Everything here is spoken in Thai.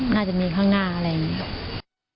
น่าจะมีข้างหน้าอะไรอย่างนี้ครับ